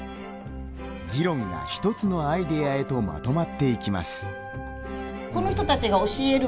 議論が一つのアイデアへとまとまっていきます。